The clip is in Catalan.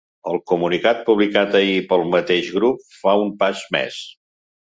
El comunicat publicat ahir pel mateix grup fa un pas més.